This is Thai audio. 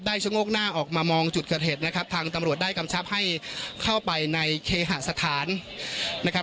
ชะโงกหน้าออกมามองจุดเกิดเหตุนะครับทางตำรวจได้กำชับให้เข้าไปในเคหสถานนะครับ